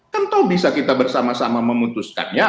kan tahu bisa kita bersama sama memutuskannya